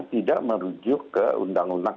tidak merujuk ke undang undang